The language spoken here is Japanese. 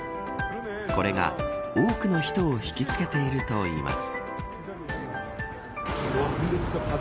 これが、多くの人を引きつけているといいます。